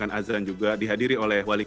kita rame rame buka bersama di wembley stadium